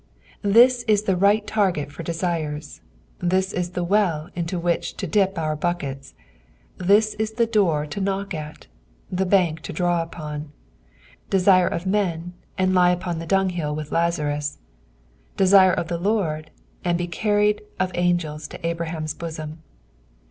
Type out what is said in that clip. This ia the light target for deairep, thb b the veil into which to dip our buckets, this is the door to knock at, the bank to draw upon ; desire of men, uid lie on the dunshill with LeianiB : desire of the Lord, and be carried of angels into Abrahiun's boBom.